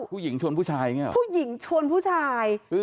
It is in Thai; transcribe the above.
ผู้หญิงชวนผู้ชายใช่งั้นหรอเห้ย